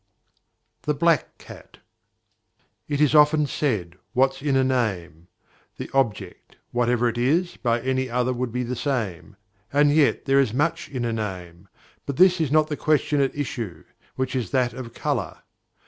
THE BLACK CAT. It is often said "What's in a name?" the object, whatever it is, by any other would be the same, and yet there is much in a name; but this is not the question at issue, which is that of colour.